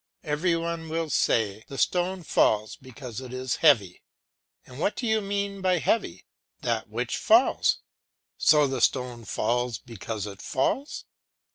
Every one will say, "The stone falls because it is heavy." "And what do you mean by heavy?" "That which falls." "So the stone falls because it falls?"